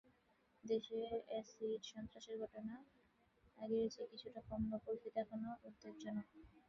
দেশে অ্যাসিড সন্ত্রাসের ঘটনা আগের চেয়ে কিছুটা কমলেও পরিস্থিতি এখনো উদ্বেগজনক।